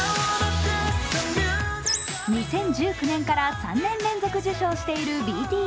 ２０１９年から３年連続受賞しているＢＴＳ。